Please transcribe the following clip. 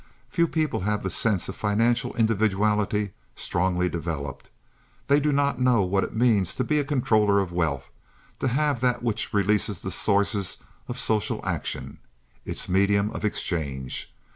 Few people have the sense of financial individuality strongly developed. They do not know what it means to be a controller of wealth, to have that which releases the sources of social action—its medium of exchange.